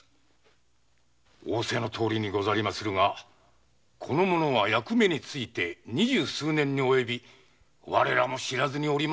仰せのとおりですがこの者は役目について二十数年に及び我らも知らずにおりました故。